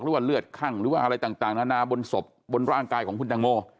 เลือดคั่งหรือว่าอะไรต่างนานาบนศพบนร่างกายของคุณตังโม